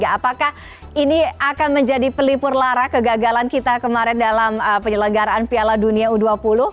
apakah ini akan menjadi pelipur lara kegagalan kita kemarin dalam penyelenggaraan piala dunia u dua puluh